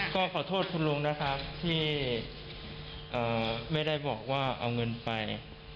ก็ขอโทษคุณลุงนะครับที่ไม่ได้บอกว่าเอาเงินไป